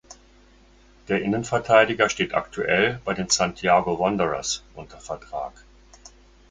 Der Innenverteidiger steht aktuell bei den Santiago Wanderers unter Vertrag.